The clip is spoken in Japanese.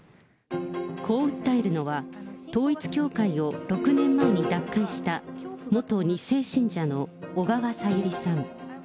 こう訴えるのは、統一教会を６年前に脱会した元２世信者の小川さゆりさん。